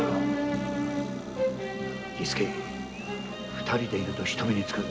二人でいると人目につく。